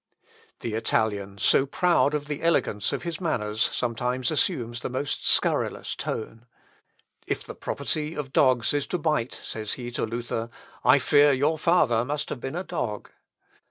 The Italian, so proud of the elegance of his manners, sometimes assumes the most scurrilous tone. "If the property of dogs is to bite," says he to Luther, "I fear your father must have been a dog."